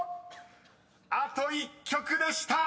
［あと１曲でした！］